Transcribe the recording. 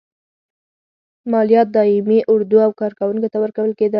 مالیات دایمي اردو او کارکوونکو ته ورکول کېدل.